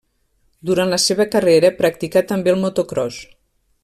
Durant la seva carrera practicà també el motocròs.